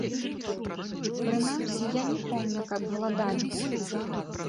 Прынамсі, я не помню, каб галадалі.